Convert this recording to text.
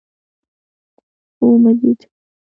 هو ومې لېد.